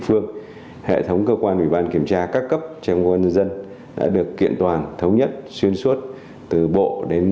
tuy nhiên đội ngũ cán bộ trong cơ quan ủy ban kiểm tra đảng ủy công an trung ương đã phân đấu không ngừng làm việc với tinh thần trách nhiệm cao thẳng thắn đấu tranh bảo vệ lẽ phải